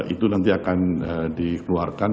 itu nanti akan dikeluarkan